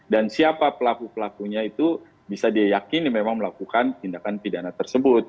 dan siapa pelaku pelakunya itu bisa diyakin memang melakukan tindakan pidana tersebut